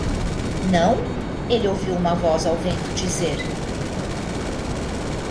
"Não?" ele ouviu uma voz ao vento dizer.